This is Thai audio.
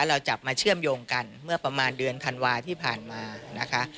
เราจับมาเชื่อมโยงกันเมื่อประมาณเดือนธันวาที่ผ่านมานะคะ